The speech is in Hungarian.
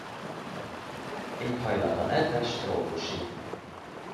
Éghajlata nedves trópusi.